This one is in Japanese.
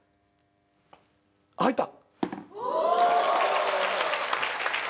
入った。